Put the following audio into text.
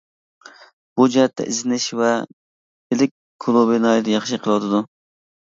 بۇ جەھەتتە ئىزدىنىش ۋە بىلىك كۇلۇبى ناھايىتى ياخشى قىلىۋاتىدۇ.